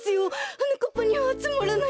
はなかっぱにはつまらないと。